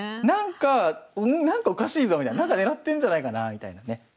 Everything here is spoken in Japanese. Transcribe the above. なんかなんかおかしいぞみたいななんか狙ってんじゃないかなみたいなね